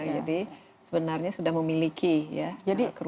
jadi sebenarnya sudah memiliki ya kerusakan di dalam